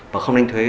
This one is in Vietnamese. và không đánh thuế